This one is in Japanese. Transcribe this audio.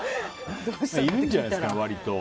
いるんじゃないですかね、割と。